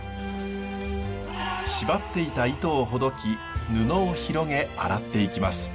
縛っていた糸をほどき布を広げ洗っていきます。